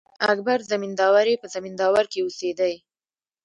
اکبر زمینداوری په زمینداور کښي اوسېدﺉ.